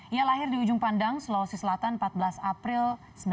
ia lahir di ujung pandang sulawesi selatan empat belas april seribu sembilan ratus empat puluh